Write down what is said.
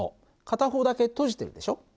片方だけ閉じてるでしょ。